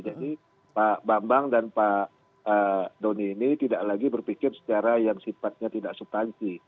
jadi pak bambang dan pak doni ini tidak lagi berpikir secara yang sifatnya tidak subtansi